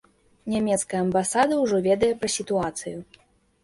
Нямецкая амбасада ўжо ведае пра сітуацыю.